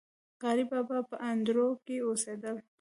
قاري بابا په اندړو کي اوسيدل